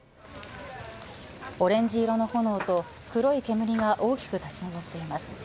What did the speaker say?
オレンジ色の炎と黒い煙が大きく立ち上っています。